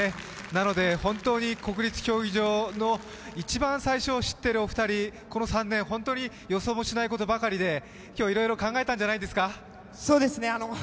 なので本当に国立競技場の一番最初を知っているお二人、この３年、本当に予想もしないことばかりで、今日はいろいろ考えたんじゃないですか？